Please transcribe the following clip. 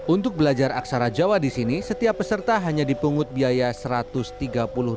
untuk belajar aksara jawa di sini setiap peserta hanya dipungut biaya rp satu ratus tiga puluh